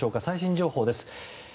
最新情報です。